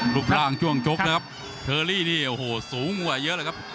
รูปร่างช่วงชกนะครับเชอรี่นี่โอ้โหสูงกว่าเยอะเลยครับ